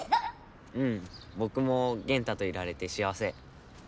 うんぼくもゲンタといられてしあわせ。